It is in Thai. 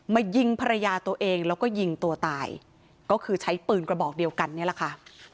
ยิงภรรยาตัวเองแล้วก็ยิงตัวตายก็คือใช้ปืนกระบอกเดียวกันนี่แหละค่ะ